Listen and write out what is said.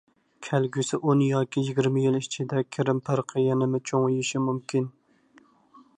كەلگۈسى ئون ياكى يىگىرمە يىل ئىچىدە، كىرىم پەرقى يەنىمۇ چوڭىيىشى مۇمكىن.